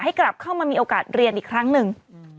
กลับเข้ามามีโอกาสเรียนอีกครั้งหนึ่ง